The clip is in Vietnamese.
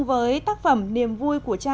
với tác phẩm niềm vui của cha